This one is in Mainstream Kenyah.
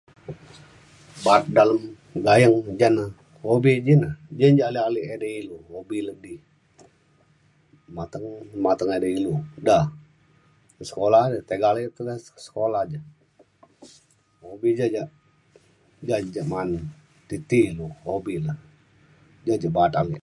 Baat dalem gayeng ja na hobi ji na. Ji ja edei ilu hobi le di mateng mateng edei ilu da ke sekula tiga ale tekak sekula ja hobi ja ja ja ja maan ti ilu hobi le ja ja baat ake